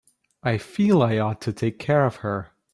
I feel I ought to take care of her.